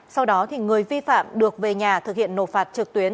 sau đó người vi phạm được về nhà thực hiện nộp phạt trực tuyến